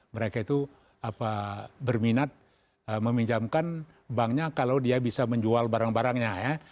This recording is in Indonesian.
mereka itu berminat meminjamkan banknya kalau dia bisa menjual barang barangnya ya